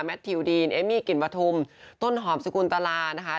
แมททิวดีนเอมมี่กินวัฒมต้นหอมสักคุณตลาดนะคะ